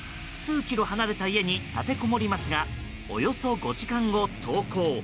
数キロ離れた家に立てこもりますがおよそ５時間後、投降。